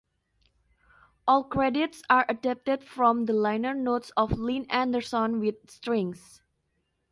All credits are adapted from the liner notes of "Lynn Anderson with Strings".